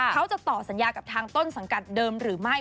เขาจะต่อสัญญากับทางต้นสังกัดเดิมหรือไม่